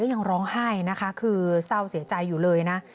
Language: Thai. ยังร้องไห้นะคะคือเศร้าเสียใจอยู่เลยนะ